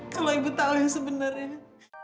kalau ibu tahu yang sebenarnya